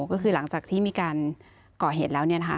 ก็คือหลังจากที่มีการก่อเหตุแล้ว